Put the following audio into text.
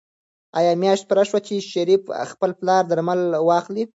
آیا میاشت پوره شوه چې شریف د خپل پلار درمل واخلي؟